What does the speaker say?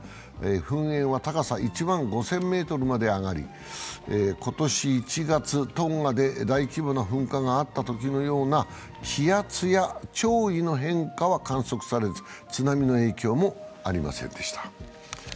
噴煙は高さ１万５０００ｍまで上がり、今年１月、トンガで大規模な噴火があったときのような気圧や潮位の変化は観測されず、津波の影響もありませんでした。